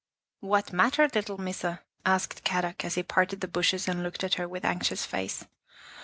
"" What matter, little Missa?" asked Kadok as he parted the bushes and looked at her with anxious face.